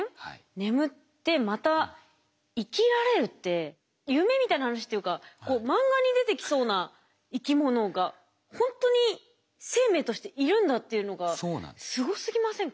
眠ってまた生きられるって夢みたいな話っていうか漫画に出てきそうな生き物がほんとに生命としているんだっていうのがすごすぎませんか。